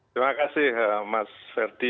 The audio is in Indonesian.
terima kasih mas serdi